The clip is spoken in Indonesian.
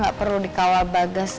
rafa gak perlu dikawal bagas